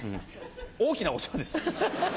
大きなお世話ですよ。